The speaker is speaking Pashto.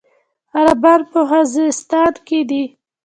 عربان په خوزستان کې دي.